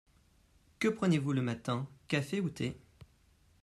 Que prenez-vous le matin ? Café ou thé ?